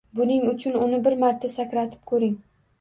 Buning uchun uni bir marta sakratib ko'ring.